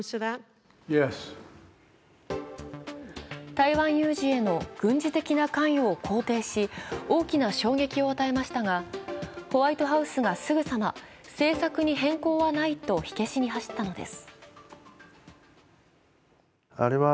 台湾有事への軍事的な関与を肯定し、大きな衝撃を与えましたが、ホワイトハウスがすぐさま政策に変更はないと火消しに走ったのです。